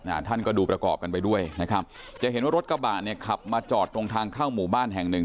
ท่านก็ดูประกอบกันไปด้วยนะครับจะเห็นว่ารถกระบะเนี่ยขับมาจอดตรงทางเข้าหมู่บ้านแห่งหนึ่ง